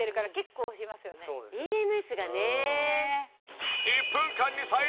ＥＭＳがね。